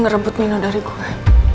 nge rebut mino dari gue